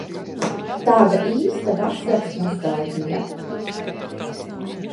Tāda īsta vasaras nostaļģija.